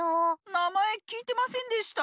なまえきいてませんでした。